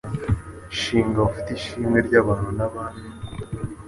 Shinga ufite ishimwe Ry’abantu n’abami,